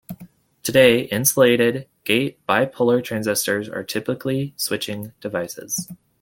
Today, insulated gate bipolar transistors are typical switching devices.